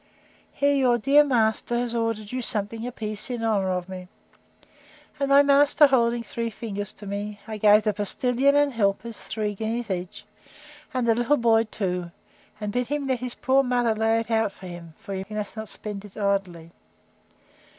Here your dear master has ordered you something a piece, in honour of me. And my master holding three fingers to me, I gave the postilion and helpers three guineas each, and the little boy two; and bid him let his poor mother lay it out for him, for he must not spend it idly.